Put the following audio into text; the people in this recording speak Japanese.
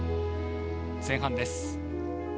前半です。